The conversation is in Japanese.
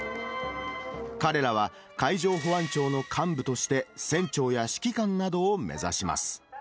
彼らは海上保安庁の幹部として船長や指揮官などを目指します。